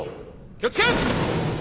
気を付け！